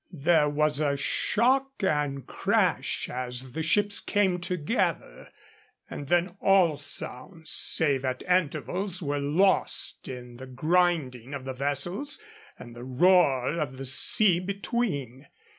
There was a shock and a crash as the ships came together, and then all sounds, save at intervals, were lost in the grinding of the vessels and the roar of the sea between.